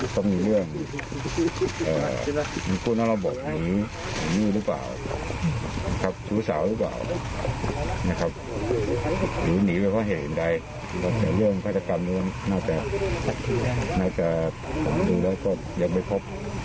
แต่เรื่องพัฒนาการนั้นน่าจะน่าจะผมดูแล้วก็ยังไม่พบ